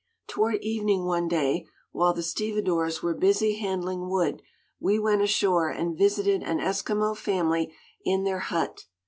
Toward evening one day, while the stevedores were busy handling wood, we went ashore and visited an Eskimo family in their hut.